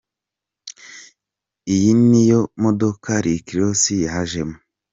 Iyi ni yo modoka Rick Ross yajemo.